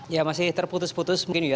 ya masih terputus putus mungkin ya